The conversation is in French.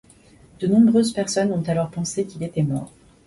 De nombreuses personnes ont alors pensé qu'il était mort.